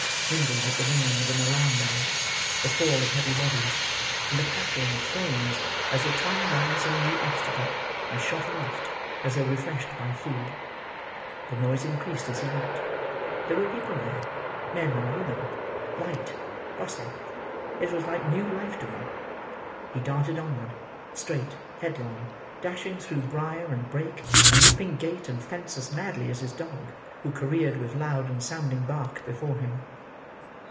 mingled with the ringing of an alarm bell, the fall of heavy bodies, and the crackling of flames as they twined round some new obstacle, and shot aloft as though refreshed by food. The noise increased as he looked. There were people there—men and women—light, bustle. It was like new life to him. He darted onward—straight, headlong—dashing through brier and brake, and leaping gate and fence as madly as his dog, who careered with loud and sounding bark before him.